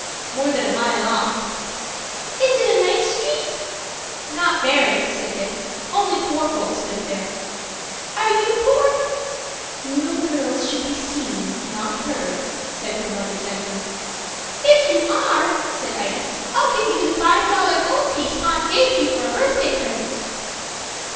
"More than a mile off." "Is it a nice street?" "Not very," said Dick. "Only poor folks live there." "Are you poor?" "Little girls should be seen and not heard," said her mother, gently. "If you are," said Ida, "I'll give you the five dollar gold piece aunt gave me for a birthday present."